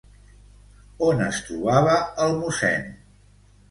On es trobava el mossèn?